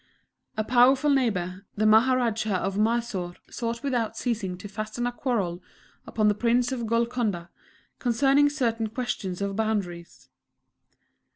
A powerful neighbour, the Maharajah of Mysore sought without ceasing to fasten a quarrel upon the Prince of Golconda, concerning certain questions of boundaries.